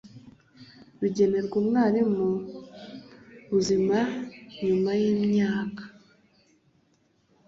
Bigenerwa umwarimu buzima nyuma y imyaka